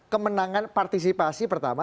kemenangan partisipasi pertama